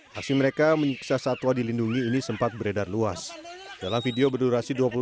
hasil mereka menyiksa satwa dilindungi ini sempat beredar luas dalam video berdurasi